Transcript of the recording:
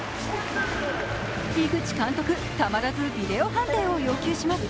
井口監督、たまらずビデオ判定を要求します。